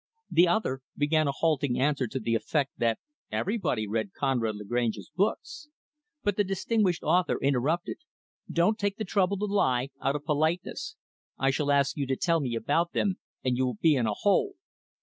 The other began a halting answer to the effect that everybody read Conrad Lagrange's books. But the distinguished author interrupted; "Don't take the trouble to lie out of politeness. I shall ask you to tell me about them and you will be in a hole."